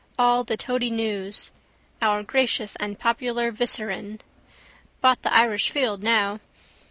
All the toady news. Our gracious and popular vicereine. Bought the Irish Field now.